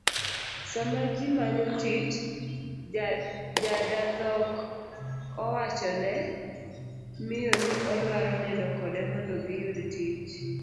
Sama ji manyo tich, jadadhok owachone miyo ni odwaro nindo kode mondo giyud tich